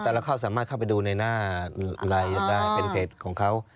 แต่เราเข้าสามารถเข้าไปดูในหน้ารายละเอียดได้เป็นเพจของเขา